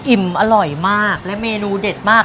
อิ่มอร่อยมากและเมนูเด็ดมาก